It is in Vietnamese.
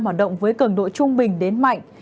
hoạt động với cường độ trung bình đến mạnh